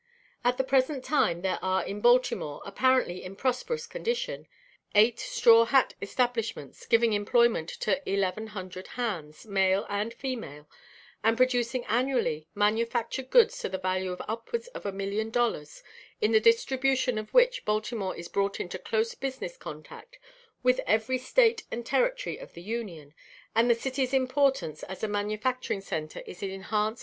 At the present time there are in Baltimore, apparently in prosperous condition, eight straw hat establishments, giving employment to eleven hundred hands, male and female, and producing annually, manufactured goods to the value of upwards of a million dollars, in the distribution of which Baltimore is brought into close business contact with every State and Territory of the Union, and the city's importance as a manufacturing centre is enhanced by the character of articles sent forth by those engaged in this class of business. GROWTH OF BUSINESS. No. 14.